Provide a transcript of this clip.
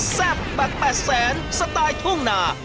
แซปปั๊กแปดแสนสถายทุ่งหน้า